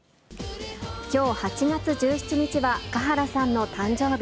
きょう８月１７日は華原さんの誕生日。